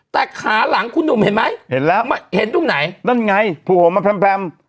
แต่ขาหลังคุณหนุ่มเห็นไหมเห็นแล้วเห็นตรงไหนนั่นไงโผล่มาแพร่ม